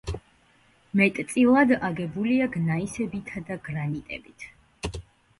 მეტწილად აგებულია გნაისებითა და გრანიტებით.